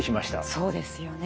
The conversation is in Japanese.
そうですよね。